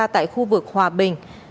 tại khu vực hòa bình